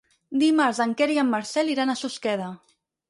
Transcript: Dimarts en Quer i en Marcel iran a Susqueda.